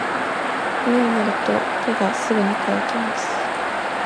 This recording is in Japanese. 冬になると手がすぐに乾きます。